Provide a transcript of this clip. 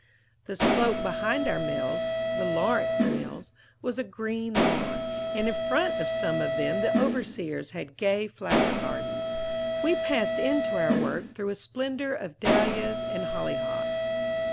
The slope behind our mills (the "Lawrence" Mills) was a green lawn; and in front of some of them the overseers had gay flower gardens; we passed in to our work through a splendor of dahlias and hollyhocks.